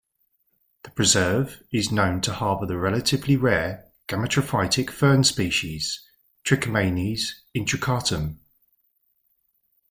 The preserve is known to harbor the relatively rare gametophytic fern species, "Trichomanes intricatum".